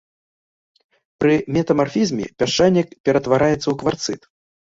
Пры метамарфізме пясчанік ператвараецца ў кварцыт.